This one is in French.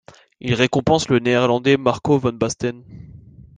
Il récompense le Néerlandais Marco van Basten.